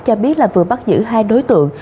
cho biết là vừa bắt giữ hai đối tượng